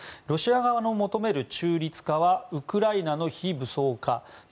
ロシア側の求める中立化はウクライナの非武装化